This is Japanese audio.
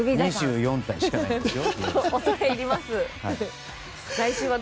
２４体しかないんですよ。